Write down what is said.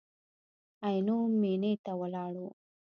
عینو مېنې ته ولاړو.